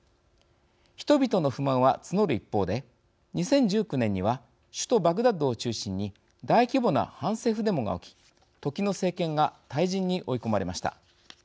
人々の不満は募る一方で２０１９年には首都バグダッドを中心に大規模な反政府デモが起き時の政権が退陣に追い込まれました。